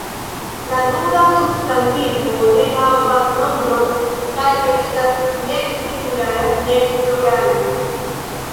La nuda substantivo ne havas nombron, kaj estas nek singulara nek plurala.